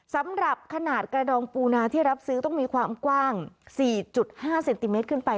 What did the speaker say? สำหรับขนาดกระดองปูนาที่รับซื้อต้องมีความกว้าง๔๕เซนติเมตรขึ้นไป